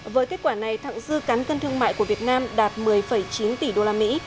với kết quả này thẳng dư cán cân thương mại của việt nam đạt một mươi chín tỷ đô la mỹ